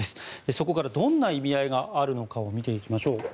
そこからどんな意味合いがあるのかを見ていきましょう。